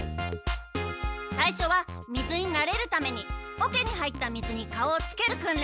最初は水になれるためにおけに入った水に顔をつける訓練です。